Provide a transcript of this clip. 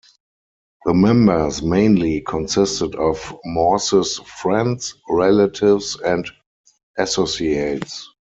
The members mainly consisted of Morse's friends, relatives, and associates.